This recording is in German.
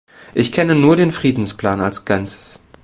Ich kenne nur den Friedensplan als Ganzes.